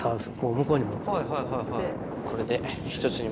向こうに持っていく感じで。